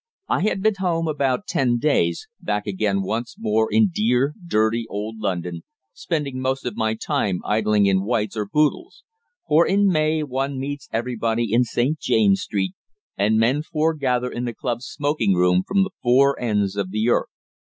I had been home about ten days back again once more in dear, dirty old London, spending most of my time idling in White's or Boodle's; for in May one meets everybody in St. James's Street, and men foregather in the club smoking room from the four ends of the earth.